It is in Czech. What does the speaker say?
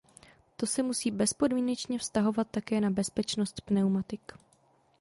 To se musí bezpodmínečně vztahovat také na bezpečnost pneumatik.